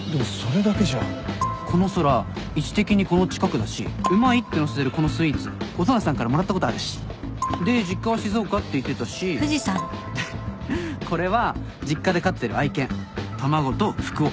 この空位置的にこの近くだしうまいって載せてるこのスイーツ音無さんからもらったことあるしで実家は静岡って言ってたしでこれは実家で飼ってる愛犬玉子と福男。